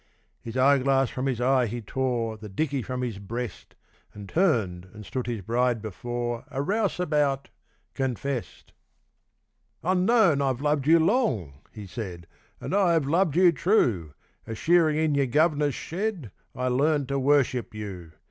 His eye glass from his eye he tore, The dickey from his breast, And turned and stood his bride before A rouseabout confess'd! 'Unknown I've loved you long,' he said, 'And I have loved you true A shearing in your guv'ner's shed I learned to worship you.